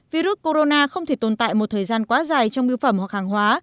vì vậy virus corona không thể tồn tại một thời gian quá dài trong bưu phẩm hoặc hàng hóa